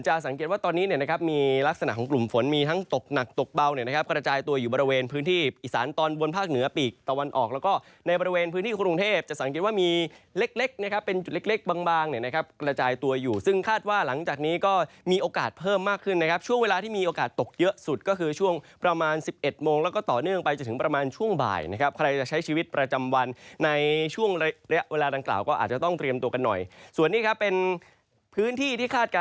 จะสังเกตว่าตอนนี้นะครับมีลักษณะของกลุ่มฝนมีทั้งตกหนักตกเบานะครับกระจายตัวอยู่บริเวณพื้นที่อิสานตอนบนภาคเหนือปีกตะวันออกแล้วก็ในบริเวณพื้นที่กรุงเทพจะสังเกตว่ามีเล็กนะครับเป็นจุดเล็กบางนะครับกระจายตัวอยู่ซึ่งคาดว่าหลังจากนี้ก็มีโอกาสเพิ่มมากขึ้นนะครับช่วงเวลาที่